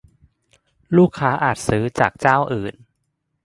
ลูกค้าอาจซื้อจากเจ้าอื่น